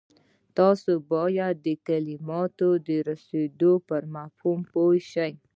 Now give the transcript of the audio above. تاسې بايد د کلماتو د رسېدو پر مفهوم پوه شئ.